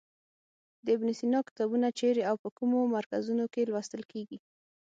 د ابن سینا کتابونه چیرې او په کومو مرکزونو کې لوستل کیږي.